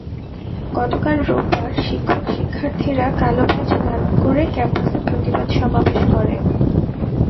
গতকাল রোববার শিক্ষক-শিক্ষার্থীরা কালো ব্যাজ ধারণ করে ক্যাম্পাসে প্রতিবাদ সমাবেশ করেন।